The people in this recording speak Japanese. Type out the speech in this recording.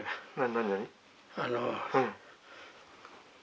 何？